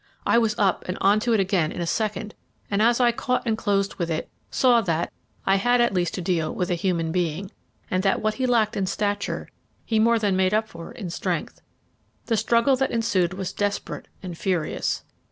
I was up and on to it again in a second, and as I caught and closed with it saw that I had at least to deal with a human being, and that what he lacked in stature he more than made up for in strength. The struggle that ensued was desperate and furious.